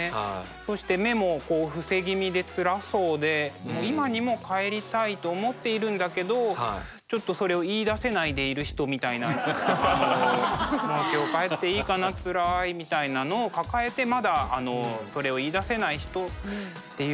そして目も伏せ気味でつらそうで今にも帰りたいと思っているんだけどちょっとそれをもう今日帰っていいかなつらいみたいなのを抱えてまだそれを言い出せない人っていう感じなのかなっていうのが。